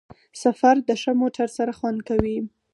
سفر د ښه موټر سره خوند کوي.